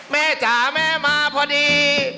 จ๋าแม่มาพอดี